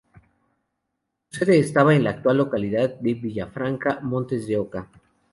Su sede estaba en la actual localidad de Villafranca Montes de Oca.